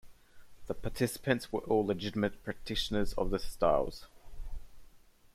The participants were all legitimate practitioners of their styles.